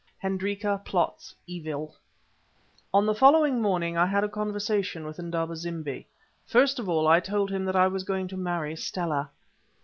HENDRIKA PLOTS EVIL On the following morning I had a conversation with Indaba zimbi. First of all I told him that I was going to marry Stella.